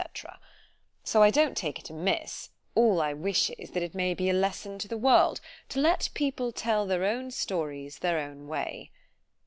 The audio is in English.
——So I don't take it amiss——All I wish is, that it may be a lesson to the world, "_to let people tell their stories their own way.